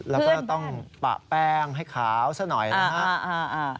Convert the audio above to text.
แล้วก็ต้องปะแป้งให้ขาวซะหน่อยนะครับ